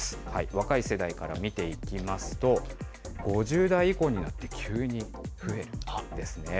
若い世代から見ていきますと、５０代以降になって急に増えているんですね。